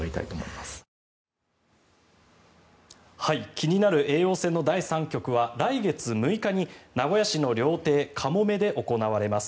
気になる叡王戦の第３局は来月６日に名古屋市の料亭か茂免で行われます。